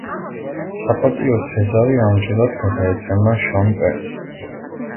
საპატიო სეზარი ამჯერად გადაეცემა შონ პენს.